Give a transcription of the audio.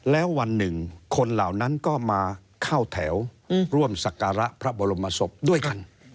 แล้ววันหนึ่งคนเหล่านั้นก็มาเข้าแถวร่วมศักระพระบรมศพด้วยกัน